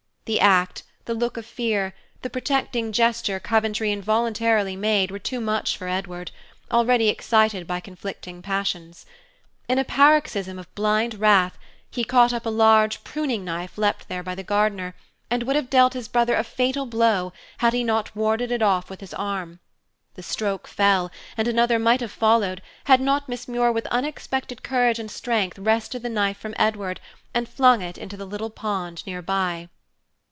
The act, the look of fear, the protecting gesture Coventry involuntarily made were too much for Edward, already excited by conflicting passions. In a paroxysm of blind wrath, he caught up a large pruning knife left there by the gardener, and would have dealt his brother a fatal blow had he not warded it off with his arm. The stroke fell, and another might have followed had not Miss Muir with unexpected courage and strength wrested the knife from Edward and flung it into the little pond near by.